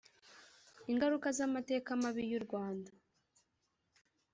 Ingaruka z amateka mabi y u rwanda